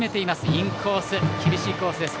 インコース、厳しいコースです。